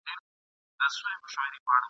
خبردار چي نوم د قتل څوك ياد نه كړي !.